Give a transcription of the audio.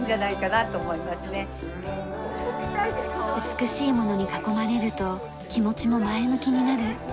美しいものに囲まれると気持ちも前向きになる。